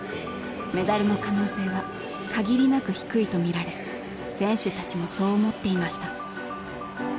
メダルの可能性は限りなく低いと見られ選手たちもそう思っていました。